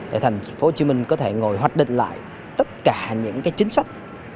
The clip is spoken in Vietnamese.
để thành phố hồ chí minh có thể ngồi hoạch định lại tất cả những chính sách